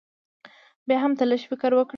بيا هم تۀ لږ فکر وکړه